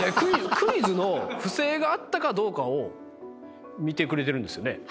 クイズの不正があったかどうかを見てくれてるんですよね？